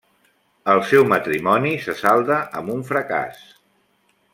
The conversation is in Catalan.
El seu matrimoni se salda amb un fracàs.